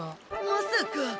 まさか。